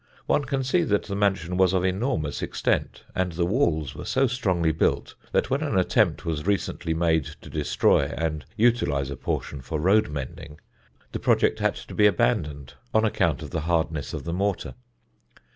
One can see that the mansion was of enormous extent; and the walls were so strongly built that when an attempt was recently made to destroy and utilise a portion for road mending, the project had to be abandoned on account of the hardness of the mortar.